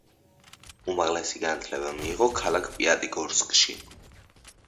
უმაღლესი განათლება მიიღო ქალაქ პიატიგორსკში.